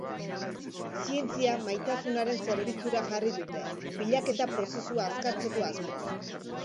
Zientzia maitasunaren zerbitzura jarri dute, bilaketa prozesua azkartzeko asmoz.